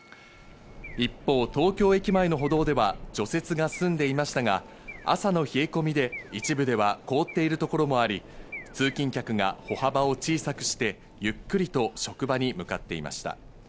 一方、東京駅前の歩道では除雪が済んでいましたが、朝の冷え込みで一部では凍っているところもあり、通勤客が歩幅を小さくしてゆっくりと職場に向かっていました。